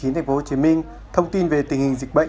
tp hcm thông tin về tình hình dịch bệnh